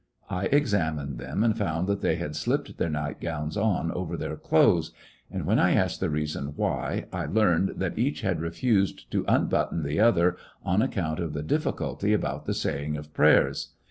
I examined them, and found that they had slipped their nightgowns on over their clothes ; and when I asked the reason why, I learned that each had refused to "unbutton" the other on account of the difftculty about the saying of prayers.